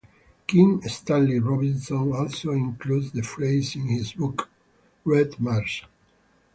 Kim Stanley Robinson also includes the phrase in his book "Red Mars".